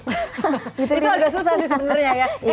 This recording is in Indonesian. itu agak susah sih sebenarnya ya